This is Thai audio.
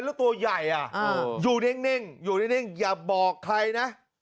แล้วตัวใหญ่อยู่นิ่งอยู่นิ่งอย่าบอกใครนะ